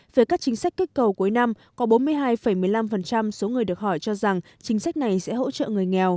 về các chính sách kích cầu cuối năm có bốn mươi hai một mươi năm số người được hỏi cho rằng chính sách này sẽ hỗ trợ người nghèo